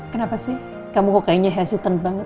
kenapa sih kamu kok kayaknya hashitan banget